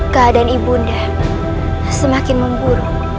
keadaan ibu nda semakin memburuk